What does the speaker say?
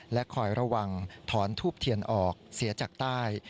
และคอยระวังถอนทูบเทียนออกเสียจากใต้